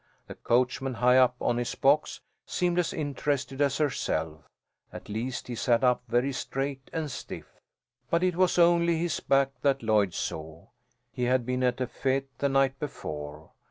The coachman, high up on his box, seemed as interested as herself; at least, he sat up very straight and stiff. But it was only his back that Lloyd saw. He had been at a fête the night before.